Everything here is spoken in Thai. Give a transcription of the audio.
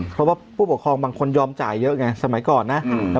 เพราะว่าผู้ปกครองบางคนยอมจ่ายเยอะไงสมัยก่อนนะ